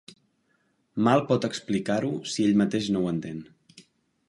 Mal pot explicar-ho si ell mateix no ho entén.